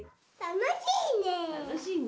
楽しいね。